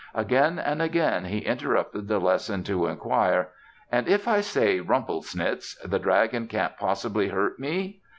Again and again he interrupted the lesson to inquire, "And if I say 'Rumplesnitz' the dragon can't possibly hurt me?"